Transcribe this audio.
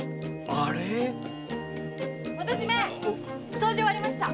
掃除終わりました。